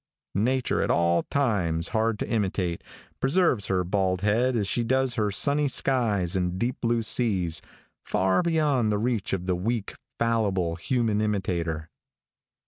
Nature, at all times hard to imitate, preserves her bald head as she does her sunny skies and deep blue seas, far beyond the reach of the weak, fallible, human imitator.